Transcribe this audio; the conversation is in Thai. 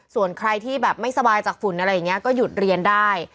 ส่วนใครที่แบบไม่สบายจากฝุ่นอะไรอย่างนี้ก็หยุดเรียนได้